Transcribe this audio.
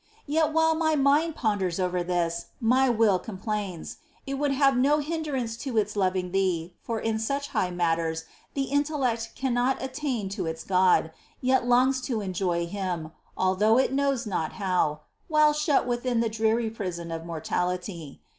Yet while my mind ponders over this, my will complains ; it would have no hindrance to its loving Thee, for in such high matters the intellect cannot attain to its God, yet longs to enjoy Him, although it knows not how, while shut within the dreary prison of mortality.